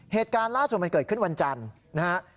เหตุการณ์ล่าสุดมันเกิดขึ้นวันจันทร์นะฮะ